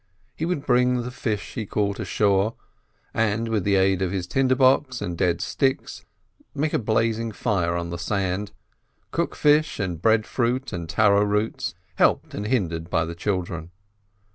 He would bring the fish he caught ashore, and with the aid of his tinder box and dead sticks make a blazing fire on the sand; cook fish and breadfruit and taro roots, helped and hindered by the children.